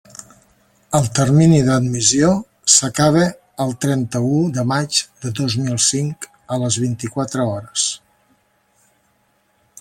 El termini d'admissió s'acaba el trenta-u de maig de dos mil cinc, a les vint-i-quatre hores.